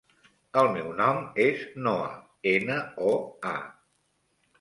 El meu nom és Noa: ena, o, a.